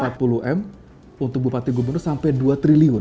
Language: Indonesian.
dprri empat puluh m untuk bupati gubernur sampai dua triliun